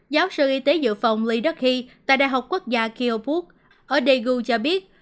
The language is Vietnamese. giáo sư y tế dự phòng lee deok hee tại đại học quốc gia kyobuk ở daegu cho biết